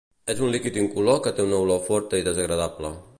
És un líquid incolor que té una olor forta i desagradable.